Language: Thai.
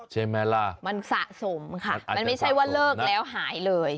ใช่ไหมล่ะมันสะสมค่ะมันไม่ใช่ว่าเลิกแล้วหายเลย